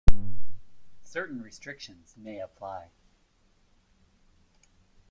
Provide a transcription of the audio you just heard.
Certain restrictions may apply.